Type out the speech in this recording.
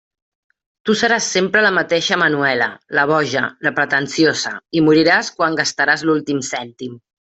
Tu seràs sempre la mateixa Manuela, la boja, la pretensiosa, i moriràs quan gastaràs l'últim cèntim.